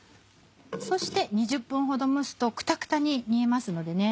そして２０分ほど蒸すとクタクタに煮えますのでね。